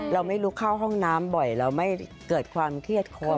เราไม่รู้เข้าห้องน้ำบ่อยเราไม่เกิดความเครียดคน